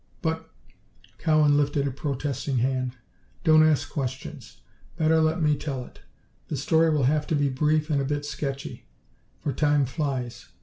"But " Cowan lifted a protesting hand. "Don't ask questions. Better let me tell it. The story will have to be brief, and a bit sketchy, for time flies.